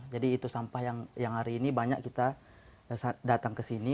jadi itu sampah yang hari ini banyak kita datang kesini